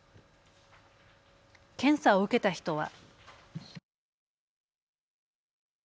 検査を受けた人は。